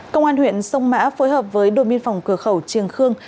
công an huyện sông mã phối hợp với đội miên phòng cửa khẩu triều khương